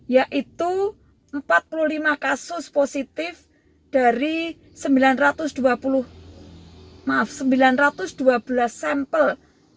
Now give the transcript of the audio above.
yaitu empat puluh lima kasus positif dari sembilan ratus dua belas sampel